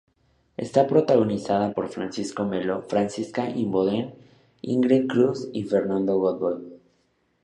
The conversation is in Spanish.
Es protagonizada por Francisco Melo, Francisca Imboden, Íngrid Cruz y Fernando Godoy.